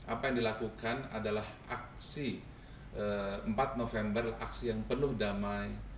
apa yang dilakukan adalah aksi empat november aksi yang penuh damai